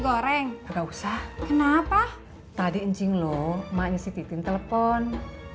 orang jumlo juga ditelepon